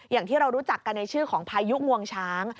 อย่างที่เรารู้จักกันในชื่อของพายุงวงช้าง